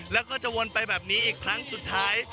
แล้วก็จะวนไปแบบนี้อีกครั้งสุดท้าย